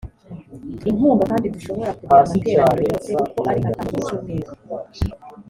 inkunga kandi dushobora kugira amateraniro yose uko ari atanu buri cyumweru